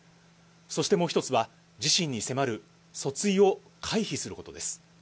そして、もう１つは自身に迫る訴追を回避することです。